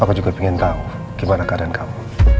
aku juga ingin tahu gimana keadaan kamu